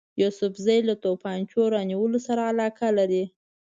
یوسفزي له توپنچو رانیولو سره علاقه لري.